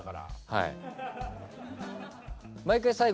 はい。